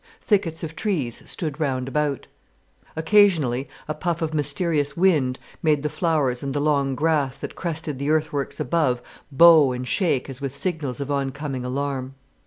Thickets of trees stood round about. Occasionally a puff of mysterious wind made the flowers and the long grass that crested the earthworks above bow and shake as with signals of oncoming alarm.